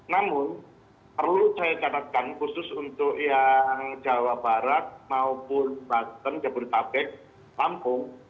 namun perlu saya catatkan khusus untuk yang jawa barat maupun banten jabodetabek lampung